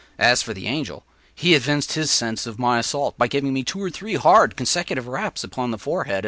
As for the Angel, he evinced his sense of my assault by giving me two or three hard consecutive raps upon the forehead as before.